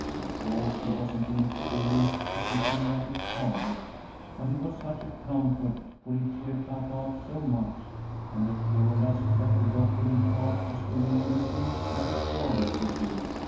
Of course he wasn't an experienced physician like his father, but he was such a comfort, for he cheered papa up so much, and assured us that the doctor in charge was doing everything that his father could do.